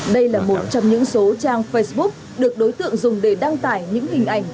đây là một trong những số trang facebook được đối tượng dùng để đăng tải những hình ảnh